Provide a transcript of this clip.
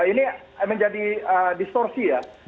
ini menjadi distorsi ya